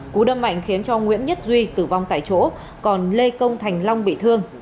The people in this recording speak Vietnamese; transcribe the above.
cú đâm mạnh khiến cho nguyễn nhất duy tử vong tại chỗ còn lê công thành long bị thương